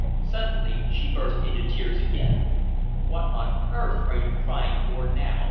Suddenly she burst into tears again. "What on earth are you crying for now?"